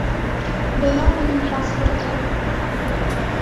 Бына минең паспортым